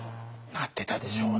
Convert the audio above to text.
なってたでしょうね。